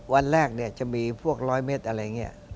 วันแรกเนี่ยจะมีพวกรอยเม็ดอะไรเงี้ย